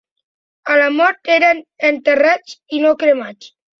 A la mort eren enterrats i no cremats.